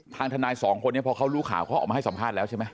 ทางทนายสองคนนี้พอเขารู้ข่าวเขาออกมาให้สัมภาษณ์แล้วใช่ไหม